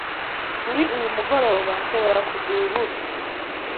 Kuri uyu mugoroba, hashobora kugwa urubura.